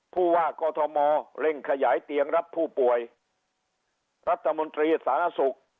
ผู้ว่ากอทมเร่งขยายเตียงรับผู้ป่วยรัฐมนตรีสาธารณสุข